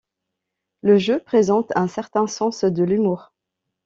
Le jeu présente un certain sens de l'humour.